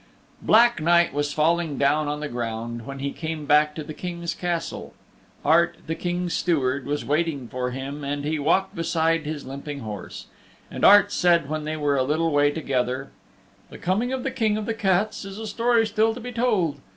Black night was falling down on the ground when he came back to the King's Castle. Art, the King's Steward, was waiting for him and he walked beside his limping horse. And Art said when they were a little way together, "The Coming of the King of the Cats is a story still to be told.